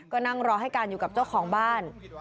ก็นั่งรอให้การอยู่กับเจ้าของบ้าน